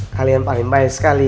kalian paling baik sekali